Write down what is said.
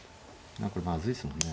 これまずいですもんね。